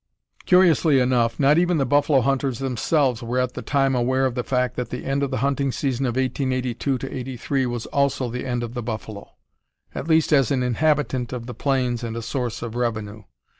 Curiously enough, not even the buffalo hunters themselves were at the time aware of the fact that the end of the hunting season of 1882 '83 was also the end of the buffalo, at least as an inhabitant of the plains and a source of revenue.